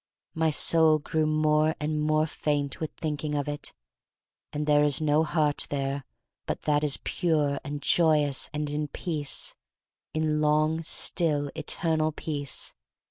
My soul grew more and more faint with thinking of it. "And there is no heart there but that is pure and joyous and in Peace — in long, still, eternal Peace.